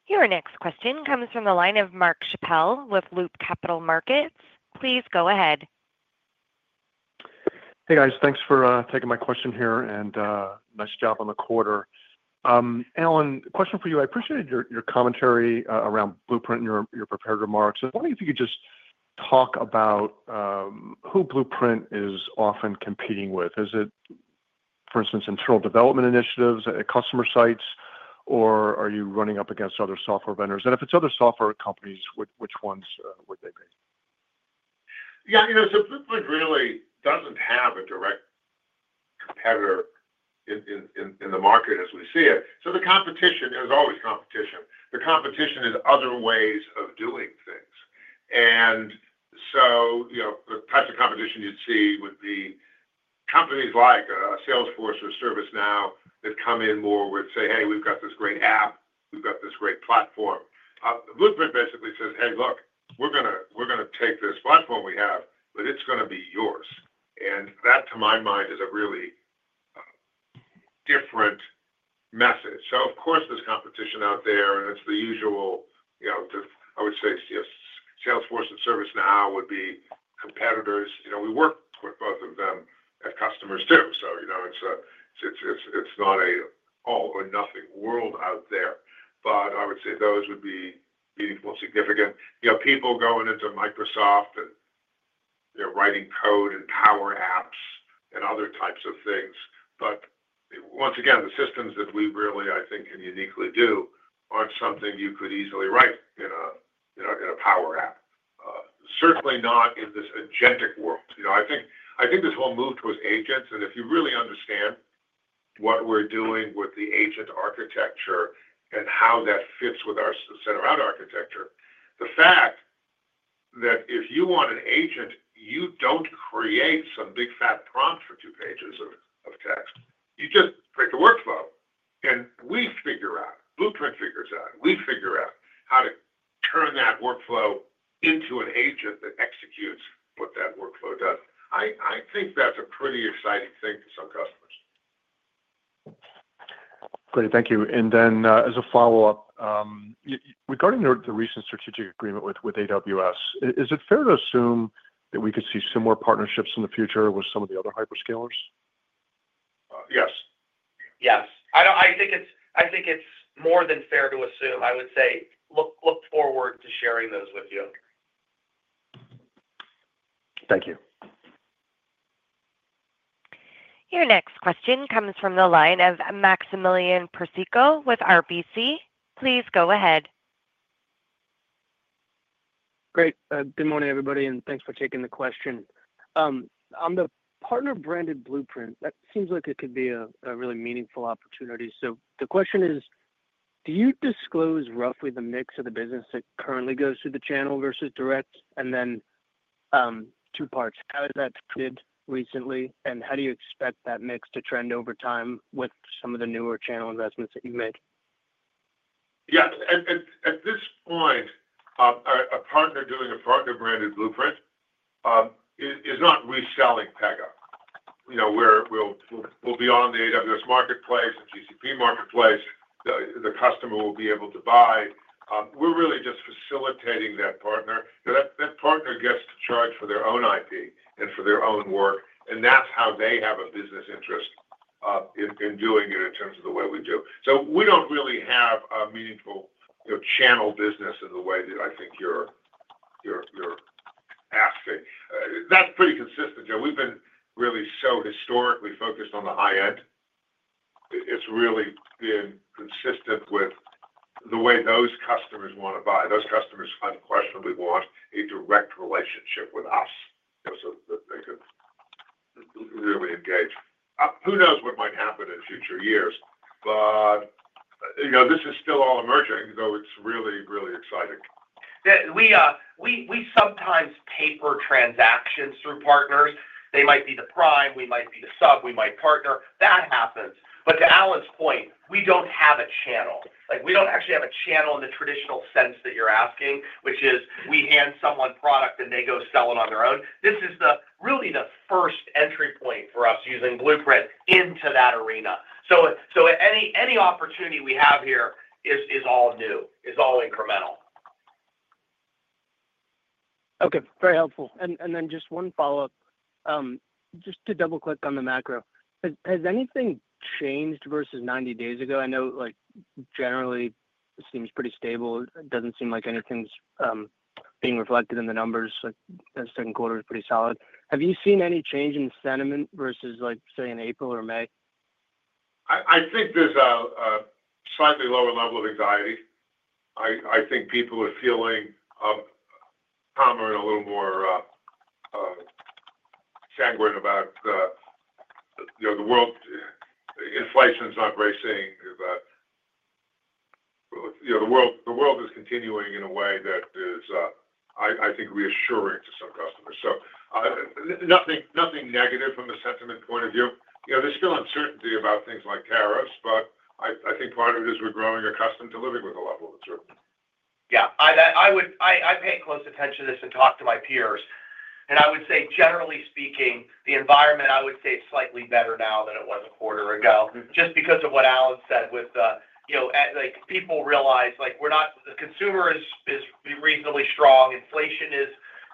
Your next question comes from the line of Mark Chappelle with Loop Capital Markets. Please go ahead. Hey guys, thanks for taking my question here, and nice job on the quarter. Alan, question for you. I appreciated your commentary around Blueprint and your preparation. If you could just talk about who Blueprint is often competing with. Is it, for instance, internal development initiatives at customer sites or are you running up against other software vendors? If it's other software companies, which ones would they be? Yeah, you know, Blueprint really doesn't have a direct competitor in the market as we see it. The competition, there's always competition. The competition is other ways of doing things. The types of competition you'd see would be companies like Salesforce or ServiceNow that come in more with, say, hey, we've got this great app, we've got this great platform. Blueprint basically says, hey, look, we're going to take this platform we have, but it's going to be yours. That, to my mind, is a really different message. Of course there's competition out there and it's the usual. I would say Salesforce and ServiceNow would be competitors. We work with both of them as customers too. It's not an all or nothing world out there. I would say those would be meaningful, significant, you know, people going into Microsoft writing code and Power Apps and other types of things. Once again, the systems that we really, I think, can uniquely do aren't something you could easily write in a Power App. Certainly not in this agentic world. I think this whole move towards agents, and if you really understand what we're doing with the agent architecture and how that fits with our center-out architecture, the fact that if you want an agent, you don't create some big fat prompt for two pages of text, you just create the workflow. We figure out, Blueprint figures out, we figure out how to turn that workflow into an agent that executes what that workflow does. I think that's a pretty exciting thing for some customers. Great, thank you. As a follow up regarding the recent strategic collaboration agreement with AWS, is it fair to assume that we could see similar partnerships in the future with some of the other hyperscalers? Yes. Yes, I think it's more than fair to assume. I would say look forward to sharing those with you. Thank you. Your next question comes from the line of Maximillian Persico with RBC. Please go ahead. Great. Good morning everybody and thanks for taking the question on the partner branded Blueprint, that seems like it could be a really meaningful opportunity. The question is, do you disclose roughly the mix of the business that currently goes through the channel versus direct, and then two parts? How is that recently, and how do you expect that mix to trend over time with some of the newer channel investments that you've made? At this point, a partner doing a partner branded Blueprint is not reselling Pega. We'll be on the AWS marketplace, GCP marketplace. The customer will be able to buy. We're really just facilitating that partner. That partner gets to charge for their own IP and for their own work. That's how they have a business interest in doing it in terms of the way we do. We don't really have a meaningful channel business in the way that I think you're asking. That's pretty consistent. We've been really historically focused on the high end. It's really been consistent with the way those customers want to buy. Those customers unquestionably want a direct relationship with us, so they could really engage. Who knows what might happen in future years. This is still all emerging though. It's really, really exciting. We sometimes paper transactions through partners. They might be the prime, we might be the sub, we might partner. That happens. To Alan's point, we don't have a channel. Like, we don't actually have a channel in the traditional sense that you're asking, which is we hand someone product and they go sell it on their own. This is really the first entry point for us using Blueprint into that arena. Any opportunity we have here is all new, is all incremental. Okay, very helpful. Just one follow up, just to double click on the macro. Has anything changed versus 90 days ago? I know like generally seems pretty stable. It doesn't seem like anything's being reflected in the numbers. The second quarter is pretty solid. Have you seen any change in sentiment versus like say in April or May? I think there's a slightly lower level of anxiety. I think people are feeling calmer and a little more sanguine about, you know, the world. Inflation is not racing, you know, the world is continuing in a way that is, I think, reassuring to some customers. Nothing negative from the sentiment point of view. There's still uncertainty about things like tariffs. I think part of it is we're growing accustomed to living with a level of uncertainty. Yeah, I pay close attention to this and talk to my peers and I would say generally speaking, the environment I would say is slightly better now than it was a quarter ago just because of what Alan said with, you know, like people realize we're not, the consumer is reasonably strong. Inflation has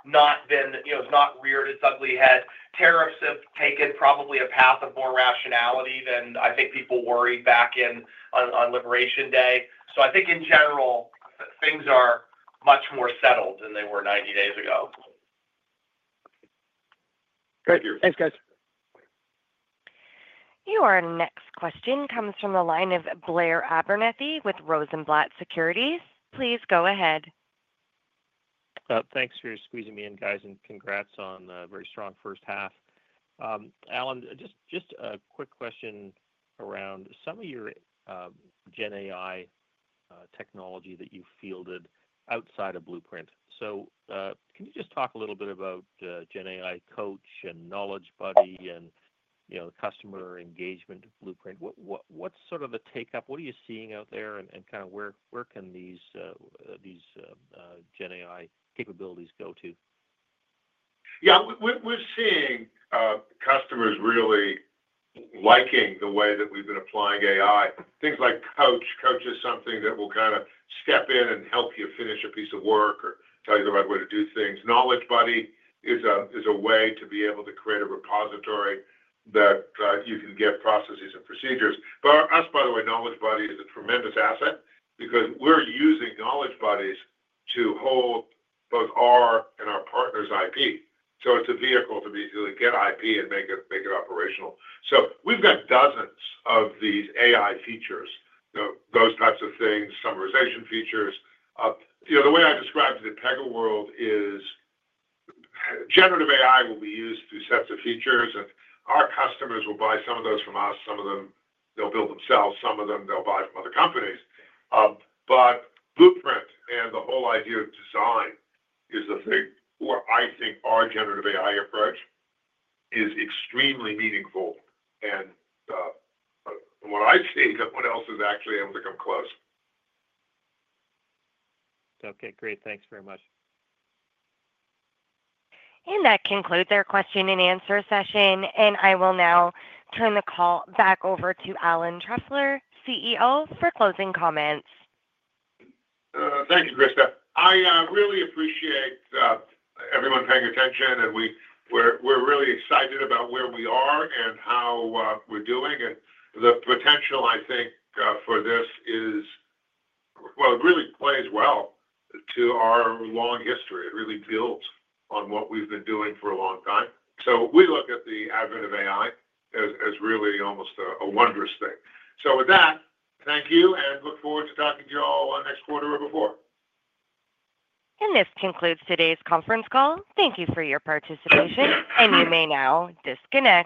not been, you know, it's not reared its ugly head. Tariffs have taken probably a path of more rationality than I think people worried back in on Liberation Day. I think in general things are much more settled than they were 90 days ago. Great, thanks guys. Your next question comes from the line of Blair Abernethy with Rosenblatt Securities. Please go ahead. Thanks for squeezing me in guys, and congrats on a very strong first half. Alan, just a quick question around some of your GenAI technology that you fielded outside the Blueprint. Can you just talk a little bit about GenAI Coach and Knowledge Buddy and, you know, the customer engagement blueprint? What's sort of a take up, what are you seeing out there, and kind of where can these GenAI capabilities go to? Yeah, we're seeing customers really liking the way that we've been applying AI, things like Coach. Coach is something that will kind of step in and help you finish a piece of work or tell you the right way to do things. Knowledge Buddy is a way to be able to create a repository that you can get processes and procedures. For us, by the way, Knowledge Buddy is a tremendous asset because we're using Knowledge Buddies to hold both our and our partners' IP. It's a vehicle to get IP and make it operational. We've got dozens of these AI features, those types of things, summarization features. The way I described the Pega world is generative AI will be used through sets of features and our customers will buy some of those from us. Some of them they'll build themselves, some of them they'll buy from other companies. Blueprint and the whole idea of design is a thing where I think our generative AI approach is extremely meaningful. What I see, no one else is actually able to come close. Okay, great, thanks very much. That concludes our question and answer session. I will now turn the call back over to Alan Trefler, CEO, for closing comments. Thank you, Christa. I really appreciate everyone paying attention. We're really excited about where we are and how we're doing and the potential, I think, for this as well. It really plays well to our long history. It really builds on what we've been doing for a long time. We look at the advent of AI as really almost a wondrous thing. With that, thank you and look forward to talking to you all next quarter or before. This concludes today's conference call. Thank you for your participation, and you may now disconnect.